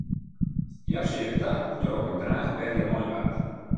Hja seach ta hoe't er op in draachberje lein waard.